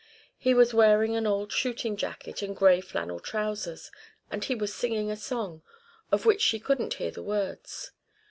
He was wearing an old shooting jacket and grey flannel trousers; and he was singing a song, of which she couldn't hear the words.